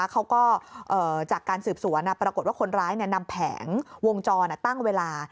เขาก็จากการสืบสวนปรากฏว่าคนร้ายนำแผงวงจรตั้งเวลา